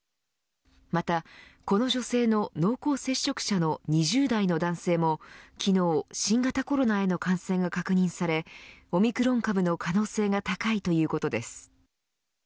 またこの女性の濃厚接触者の２０代の男性も昨日新型コロナへの感染が確認されオミクロン株の可能性が高いということです。